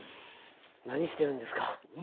なにしてるんですか？